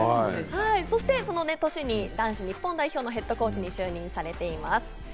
そして、その年に男子日本代表のヘッドコーチに就任されています。